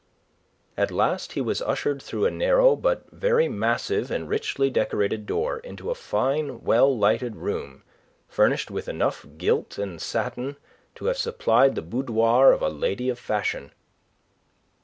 At last he was ushered through a narrow but very massive and richly decorated door into a fine, well lighted room furnished with enough gilt and satin to have supplied the boudoir of a lady of fashion.